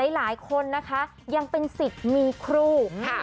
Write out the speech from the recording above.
หลายคนนะคะยังเป็นสิทธิ์มีครู